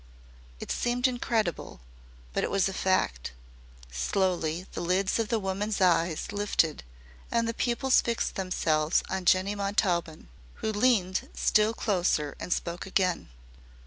It seemed incredible, but it was a fact. Slowly the lids of the woman's eyes lifted and the pupils fixed themselves on Jinny Montaubyn, who leaned still closer and spoke again.